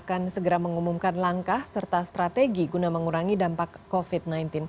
assalamualaikum wr wb